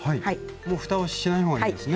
もうふたをしない方がいいですね？